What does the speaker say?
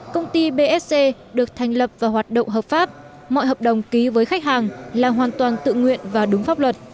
công ty bsc được thành lập và hoạt động hợp pháp mọi hợp đồng ký với khách hàng là hoàn toàn tự nguyện và đúng pháp luật